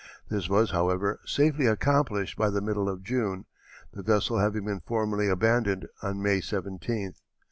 This was, however, safely accomplished by the middle of June, the vessel having been formally abandoned on May 17th.